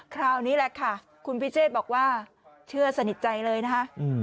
คราวนี้แหละค่ะคุณพิเชษบอกว่าเชื่อสนิทใจเลยนะคะ